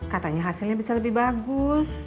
katanya hasilnya bisa lebih bagus